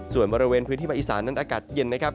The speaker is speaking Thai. ส่วนบริเวณพื้นที่ภาคอีสานนั้นอากาศเย็นนะครับ